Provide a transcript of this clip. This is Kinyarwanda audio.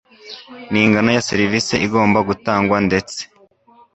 n ingano ya serivisi igomba gutangwa ndetse